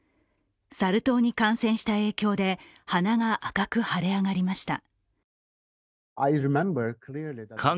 サル痘に感染した影響で、鼻が赤く腫れ上がりました。